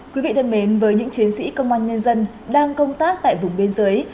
quý vị thân mến với những chiến sĩ công an nhân dân đang công tác tại vùng biên giới